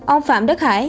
ông phạm đức hải